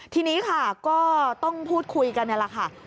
ทีนี้ก็ต้องพูดคุยกันแล้วครับ